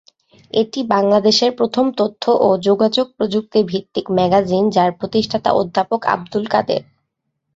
এটি বাংলাদেশের প্রথম তথ্য ও যোগাযোগ প্রযুক্তি ভিত্তিক ম্যাগাজিন যার প্রতিষ্ঠাতা অধ্যাপক আব্দুল কাদের।